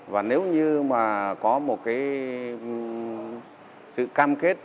và nếu như mà có một cái sự cam kết